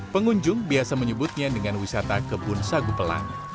pengunjung biasa menyebutnya dengan wisata kebun sagu pelang